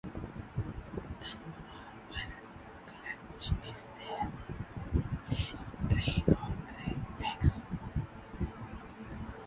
The normal clutch is three pale green or grey eggs.